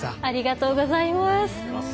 ありがとうございます。